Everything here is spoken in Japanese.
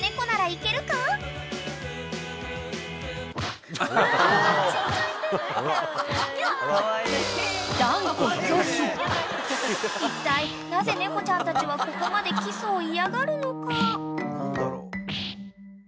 ［いったいなぜ猫ちゃんたちはここまでキスを嫌がるのか］